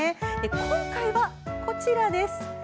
今回はこちらです。